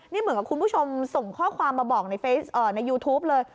นี่เหมือนกับคุณผู้ชมส่งข้อความมาบอกในยูทูปเลย